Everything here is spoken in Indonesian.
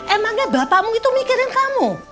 emangnya bapakmu itu mikirin kamu